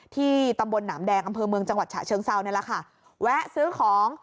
ที่ตำบลหนามแดงกำเคริมเมืองชาเชิงทราวน์เนี้ยล่ะค่ะแวะซื้อของ